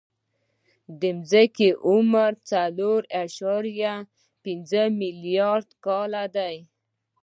د ځمکې عمر څلور اعشاریه پنځه ملیارده کاله دی.